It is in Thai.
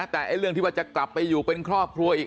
แต่เรื่องที่ว่าจะกลับไปอยู่เป็นครอบครัวอีก